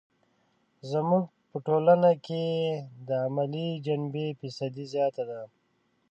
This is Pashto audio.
زموږ په ټولنه کې یې د عملي جنبې فیصدي زیاته ده.